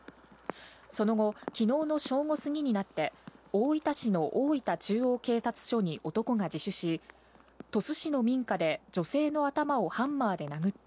その後、昨日の正午過ぎになって大分市の大分中央警察署に男が自首し、鳥栖市の民家で女性の頭をハンマーで殴った。